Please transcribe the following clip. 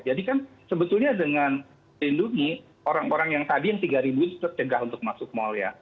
jadi kan sebetulnya dengan lindungi orang orang yang tadi yang tiga tetap cegah untuk masuk mal ya